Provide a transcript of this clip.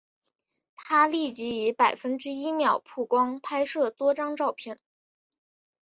他立即以百分之一秒曝光拍摄多张照片。